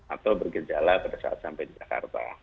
atau bergejala pada saat sampai di jakarta